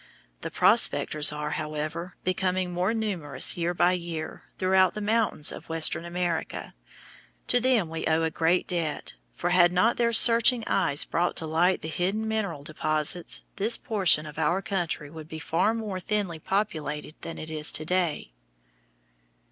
The prospectors are, however, becoming more numerous year by year throughout the mountains of western America. To them we owe a great debt, for had not their searching eyes brought to light the hidden mineral deposits this portion of our country would be far more thinly populated than it is to day.